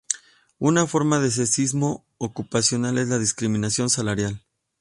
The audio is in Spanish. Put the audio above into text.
Una forma de sexismo ocupacional es la discriminación salarial.